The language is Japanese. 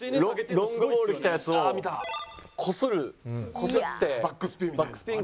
ロングボール来たやつをこするこすってバックスピンかけて止めるとか。